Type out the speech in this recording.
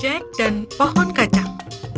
jack dan pohon kacang